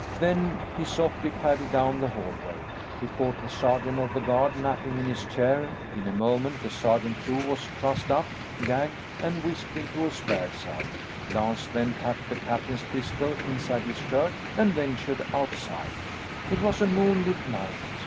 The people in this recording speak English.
Then, he softly padded down the hallway. He caught the sergeant of the guard napping in his chair. In a moment, the sergeant, too, was trussed up, gagged, and whisked into a spare cell. Lance then tucked the captain's pistol inside his shirt and ventured outside. It was a moonlit night.